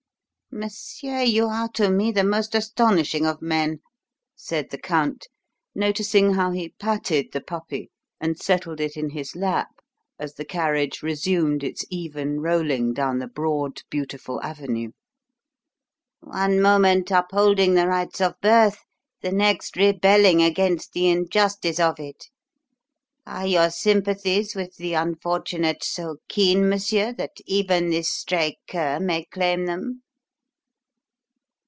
"Monsieur, you are to me the most astonishing of men," said the Count, noticing how he patted the puppy and settled it in his lap as the carriage resumed its even rolling down the broad, beautiful avenue. "One moment upholding the rights of birth, the next rebelling against the injustice of it. Are your sympathies with the unfortunate so keen, monsieur, that even this stray cur may claim them?"